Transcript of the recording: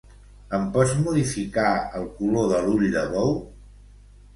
Em pots modificar el color de l'ull de bou?